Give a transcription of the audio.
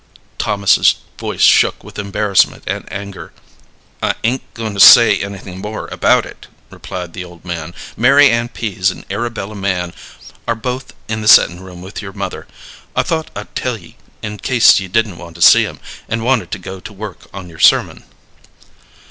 Thomas's voice shook with embarrassment and anger. "I ain't goin' to say anything more about it," replied the old man. "Mary Ann Pease and Arabella Mann are both in the settin' room with your mother. I thought I'd tell ye, in case ye didn't want to see 'em, and wanted to go to work on your sermon."